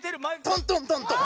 トントントントン。